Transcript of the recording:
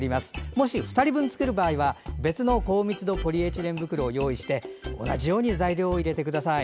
もし２人分作る場合は別の高密度ポリエチレン袋を用意して同じように材料を入れてください。